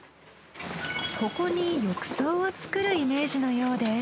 ここに浴槽を作るイメージのようです。